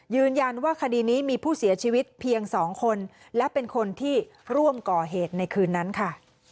ยืนยันว่าคดีนี้มีผู้เสียชีวิตเพียง๒คนและเป็นคนที่ร่วมก่อเหตุในคืนนั้นค่ะ